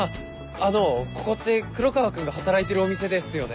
あのここって黒川君が働いてるお店ですよね？